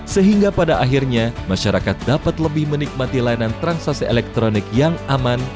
sehingga pada akhirnya masyarakat dapat lebih menikmati layanan transaksi elektronik yang aman